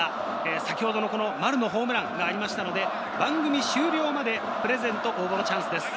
先ほどの丸のホームランがありましたので、番組終了までプレゼント応募のチャンスです。